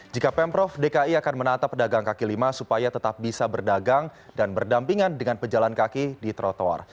jika pemprov dki akan menata pedagang kaki lima supaya tetap bisa berdagang dan berdampingan dengan pejalan kaki di trotoar